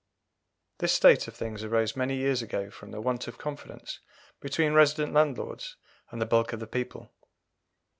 This state of things arose many years ago from the want of confidence between resident landlords and the bulk of the people.